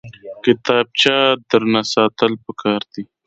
کتابچه درنه ساتل پکار دي